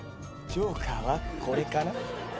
ジョーカーはこれかな？